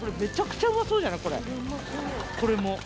これも。